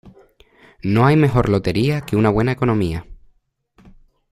No hay mejor lotería que una buena economía.